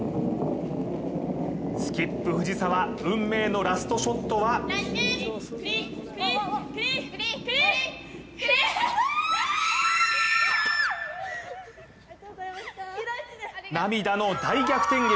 スキップ・藤澤、運命のラストショットは涙の大逆転劇。